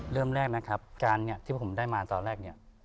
เริ่มแรกนะครับการที่ผมได้มาตอนแรก